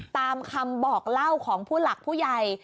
ตามคำบอกเล่าของผู้หลักผู้ใหญ่